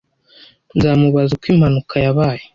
Nzamubaza uko impanuka yabaye.